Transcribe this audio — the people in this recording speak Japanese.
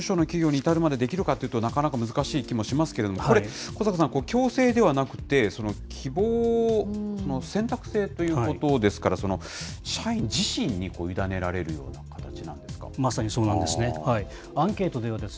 なかなかね、中小の企業に至るまでできるかっていうと、なかなか難しい気もしますけれども、これ、小坂さん、強制ではなくて、希望、選択制ということですから、社員自身に委ねられるような形なまさにそうなんですね。